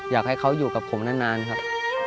อยากให้เขาอยู่กับผมนานครับ